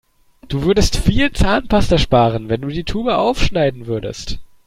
Du würdest viel Zahnpasta sparen, wenn du die Tube aufschneiden würdest.